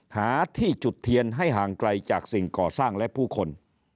หาที่จุดเทียนให้ห่างไกลจากสิ่งก่อสร้างและผู้คน